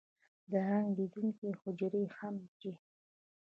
د رنګ تولیدونکي حجرې هم چې